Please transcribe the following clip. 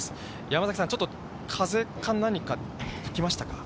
山崎さん、ちょっと風か何か吹きましたか。